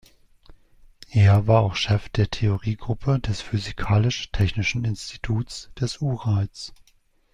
Er war auch Chef der Theorie-Gruppe des Physikalisch-Technischen Instituts des Urals.